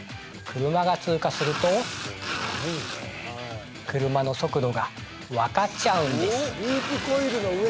車が通過すると車の速度が分かっちゃうんです